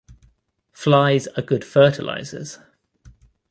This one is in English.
Flies are good fertilizers.